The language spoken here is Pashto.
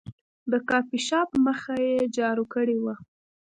د کافي شاپ مخ یې جارو کړی و.